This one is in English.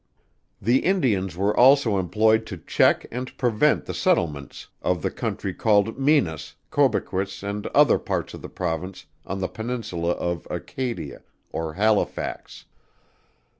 The Indians were also employed to check and prevent the settlements of the Country called Minas, Cobequis and other parts of the Province on the Peninsula of Acadia or Halifax.